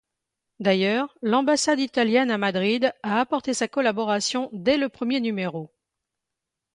D'ailleurs, l’ambassade italienne à Madrid a apporté sa collaboration dès le premier numéro.